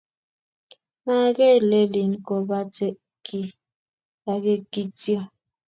maager lelin kobate kiy akenge kityo